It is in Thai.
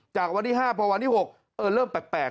จากวันที่๕พอวันที่๖เริ่มแปลก